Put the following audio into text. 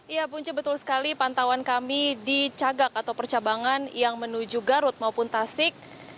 ya punca betul sekali pantauan kami di cagak atau percabangan yang menuju garut maupun tasik